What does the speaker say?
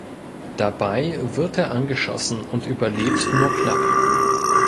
Dabei wird er angeschossen und überlebt nur knapp.